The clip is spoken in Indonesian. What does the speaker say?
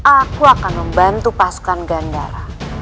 aku akan membantu pasukan gandara